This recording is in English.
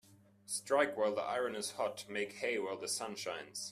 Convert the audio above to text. Strike while the iron is hot Make hay while the sun shines.